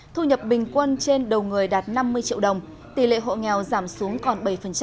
thu nhập bình quân trên đầu người đạt năm mươi triệu đồng tỷ lệ hộ nghèo giảm xuống còn bảy